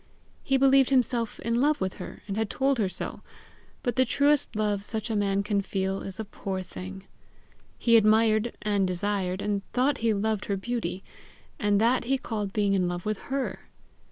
He believed himself in love with her, and had told her so; but the truest love such a man can feel, is a poor thing. He admired, and desired, and thought he loved her beauty, and that he called being in love with HER!